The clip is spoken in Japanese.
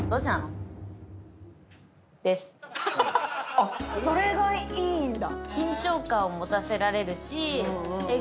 あっそれがいいんだ。